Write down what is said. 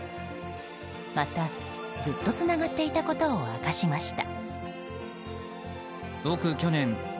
またずっとつながっていたことを明かしました。